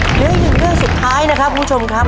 เหลืออีกหนึ่งเรื่องสุดท้ายนะครับคุณผู้ชมครับ